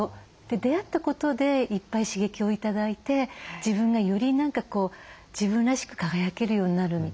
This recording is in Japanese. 出会ったことでいっぱい刺激を頂いて自分がより何か自分らしく輝けるようになるみたいな。